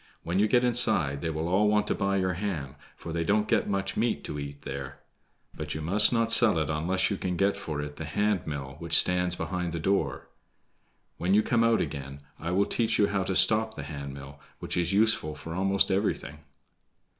"When you get inside they will all want to buy your ham, for they don't get much meat to eat there. But you must not sell it unless you can get for it the hand mill which stands behind the door. When you come out again I will teach you how to stop the hand mill, which is useful for almost everything."